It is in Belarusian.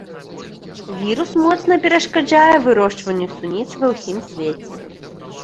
Вірус моцна перашкаджае вырошчванню суніц ва ўсім свеце.